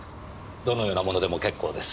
どのようなものでも結構です。